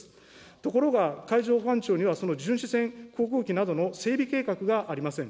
ところが海上保安庁にはその巡視船、航空機などの整備計画がありません。